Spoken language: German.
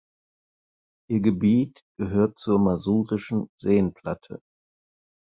Ihr Gebiet gehört zur Masurischen Seenplatte.